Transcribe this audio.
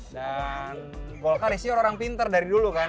dan golkar isinya orang orang pinter dari dulu kan